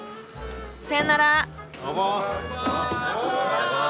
さよなら。